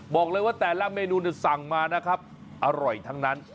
บอกเลยว่าแต่ละเมนูสั่งมานะครับอร่อยทั้งนั้น